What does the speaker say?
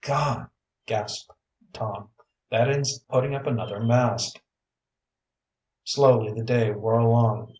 "Gone!" gasped Tom. "That ends putting up another mast." Slowly the day wore along.